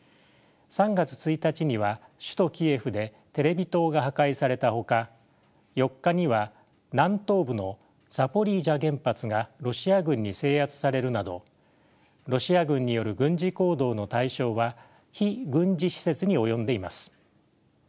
３月１日には首都キエフでテレビ塔が破壊されたほか４日には南東部のザポリージャ原発がロシア軍に制圧されるなどロシア軍による軍事行動の対象は非軍事施設に及んでいます。